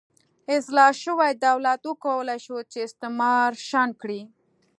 اصلاح شوي دولت وکولای شول چې استعمار شنډ کړي.